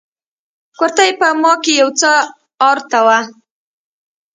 کورتۍ په ما کښې يو څه ارته وه.